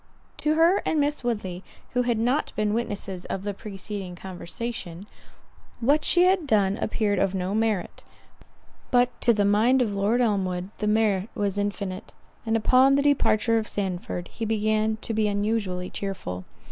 To her and Miss Woodley, who had not been witnesses of the preceding conversation, what she had done appeared of no merit; but to the mind of Lord Elmwood, the merit was infinite; and upon the departure of Sandford, he began to be unusually cheerful.